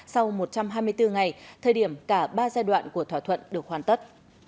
sau một trăm hai mươi bốn ngày thời điểm cả ba giai đoạn của thỏa thuận được hoàn tất